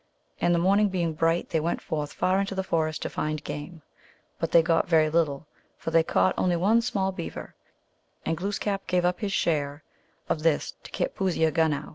And the morning being bright, they went forth far into the forest to find game. But they got very little, for they caught only one small beaver, and Glooskap GLOOSKAP THE DIVINITY. 11 gave up his share of this to Kitpooseagunow.